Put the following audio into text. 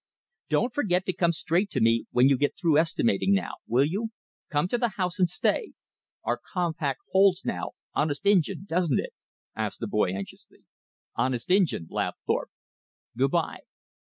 "Don't forget to come straight to me when you get through estimating, now, will you? Come to the house and stay. Our compact holds now, honest Injin; doesn't it?" asked the boy anxiously. "Honest Injin," laughed Thorpe. "Good by."